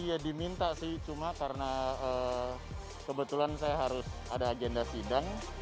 iya diminta sih cuma karena kebetulan saya harus ada agenda sidang